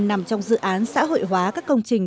nằm trong dự án xã hội hóa các công trình